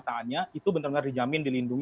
pada tahun dua ribu sembilan belas